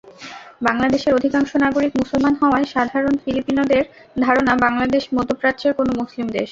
বাংলাদেশের অধিকাংশ নাগরিক মুসলমান হওয়ায় সাধারণ ফিলিপিনোদের ধারণা, বাংলাদেশ মধ্যপ্রাচ্যের কোনো মুসলিম দেশ।